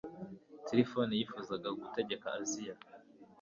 tirifoni yifuzaga gutegeka aziya